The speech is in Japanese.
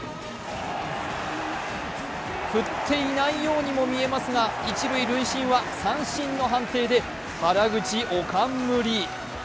振っていないようにも見えますが、一塁・塁審は三振の判定で原口おかんむり。